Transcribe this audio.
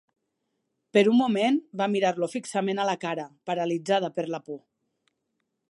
Per un moment va mirar-lo fixament a la cara, paralitzada per la por.